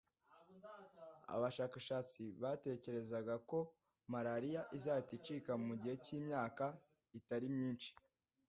abashakashatsi batekerezaga ko malaria izahita icika mu gihe cy'imyaka itari myinshi.